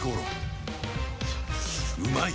うまい！